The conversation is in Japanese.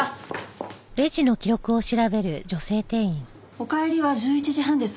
お帰りは１１時半です。